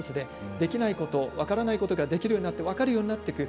できないこと、分からないことができるようになって分かるようになっていく。